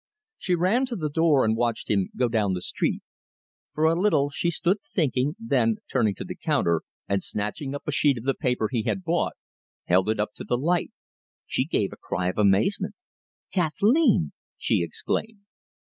She ran to the door and watched him go down the street. For a little she stood thinking, then, turning to the counter, and snatching up a sheet of the paper he had bought, held it up to the light. She gave a cry of amazement. "Kathleen!" she exclaimed.